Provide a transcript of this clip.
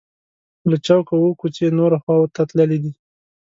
له چوکه اووه کوڅې نورو خواو ته تللي دي.